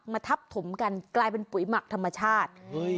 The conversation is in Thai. ทับถมกันกลายเป็นปุ๋ยหมักธรรมชาติ